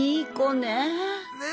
ねえ。